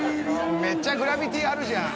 めっちゃグラビティあるじゃん。